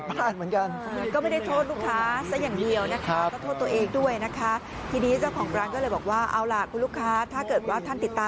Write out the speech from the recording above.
มองเลขศูนย์สุดท้ายเนี่ยตอนลูกค้าออกจากร้านไป